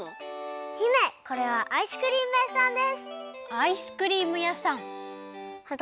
姫これはアイスクリーム屋さんです。